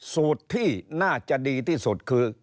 สูตรที่น่าจะดีที่สุดคือ